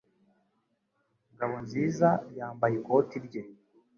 Ngabonziza yambaye ikoti rye.